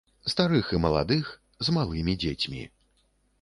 Старых і маладых, з малымі дзецьмі.